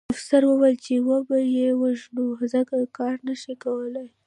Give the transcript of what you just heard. افسر وویل چې وبه یې وژنو ځکه کار نه شي کولی